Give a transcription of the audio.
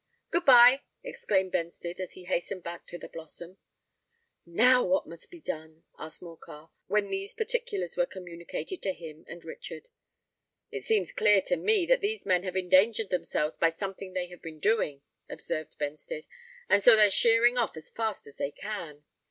"Good bye," exclaimed Benstead; and he hastened back to the Blossom. "Now what must be done?" asked Morcar, when these particulars were communicated to him and Richard. "It seems clear to me that these men have endangered themselves by something they have just been doing," observed Benstead; "and so they're sheering off as fast as they can."